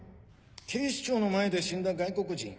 警視庁の前で死んだ外国人。